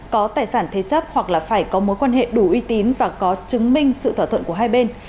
có tài sản thế chấp hoặc là phải có mối quan hệ đủ uy tín và có chứng minh sự thỏa thuận của hai bên